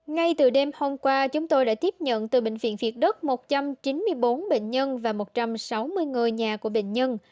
ngay từ đêm hôm qua chúng tôi đã tiếp nhận từ bệnh viện việt đức một trăm chín mươi bốn bệnh nhân và một trăm sáu mươi ngôi nhà của bệnh nhân